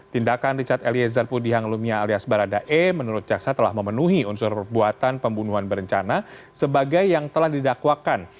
tindakan richard eliezer pudihang lumia alias baradae menurut jaksa telah memenuhi unsur perbuatan pembunuhan berencana sebagai yang telah didakwakan